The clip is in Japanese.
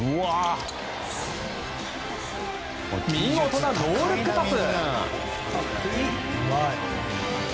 見事なノールックパス！